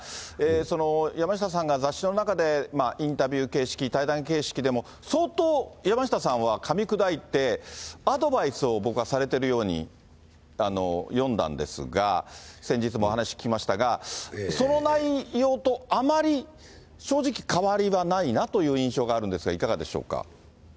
その山下さんが雑誌の中で、インタビュー形式、対談形式でも、相当、山下さんはかみ砕いて、アドバイスを僕はされているように読んだんですが、先日もお話聞きましたが、その内容とあまり正直、変わりはないなという印象があるんですが、いかがでしょうか。